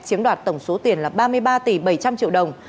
chiếm đoạt tổng số tiền là ba mươi ba tỷ bảy trăm linh triệu đồng